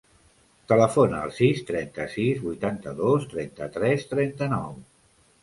Telefona al sis, trenta-sis, vuitanta-dos, trenta-tres, trenta-nou.